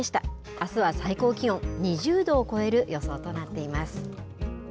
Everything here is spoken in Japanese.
あすは最高気温２０度を超える予想となっています。